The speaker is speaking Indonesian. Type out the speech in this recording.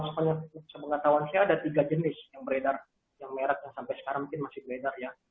vaksin flu sendiri juga setahun sekolah sepenggak tahun saya ada tiga jenis yang beredar yang merek yang sampai sekarang mungkin masih beredar ya